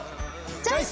チョイス！